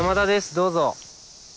どうぞ。